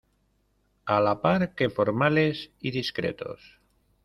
a la par que formales y discretos.